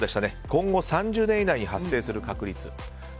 今後３０年以内に発生する確率